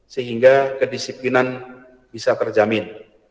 sehingga kedisiplinan bisa terjamin